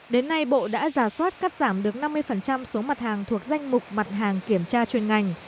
đến nay bộ đã giả soát cắt giảm được năm mươi số mặt hàng thuộc danh mục mặt hàng kiểm tra chuyên ngành